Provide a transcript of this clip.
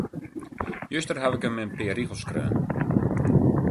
Juster haw ik him in pear rigels skreaun.